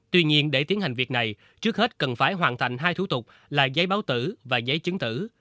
tuy nhiên để tiến hành việc này trước hết cần phải hoàn thành hai thủ tục là giấy báo tử và giấy chứng tử